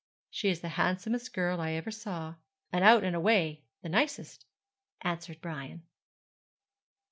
'She is the handsomest girl I ever saw, and out and away the nicest,' answered Brian.